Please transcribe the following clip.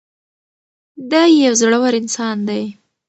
دی یو زړور انسان دی.